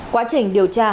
quá trình điều tra xử lý